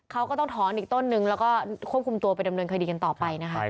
เขาก็ต้องถอนอีกต้นนึงแล้วก็ควบคุมตัวไปดำเนินคดีกันต่อไปนะคะ